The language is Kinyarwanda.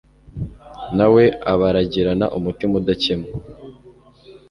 na we abaragirana umutima udakemwa